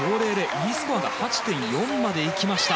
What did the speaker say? Ｅスコアが８．４まで行きました。